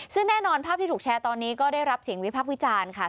ซึ่งแน่นอนภาพที่ถูกแชร์ตอนนี้ก็ได้รับเสียงวิพักษ์วิจารณ์ค่ะ